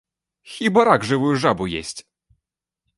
Хіба рак жывую жабу есць?